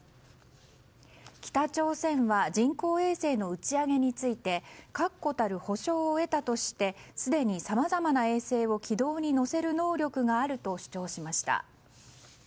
北朝鮮は人工衛星の打ち上げについて確固たる保証を得たとしてすでにさまざまな衛星を軌道に乗せる能力があると主張しました。